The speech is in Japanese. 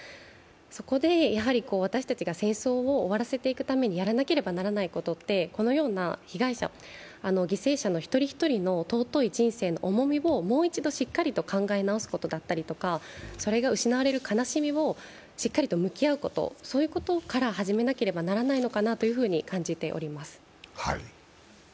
そこで、私たちが戦争を終わらせていくためにやらなければならないことはこのような被害者、犠牲者の一人一人の尊い人生の重みをもう一度しっかりと考え直すことだったりとか、それが失われる悲しみにしっかりと向き合うこと、そういうことから始めなければならないかなと感じています。